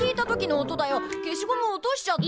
消しゴムを落としちゃって。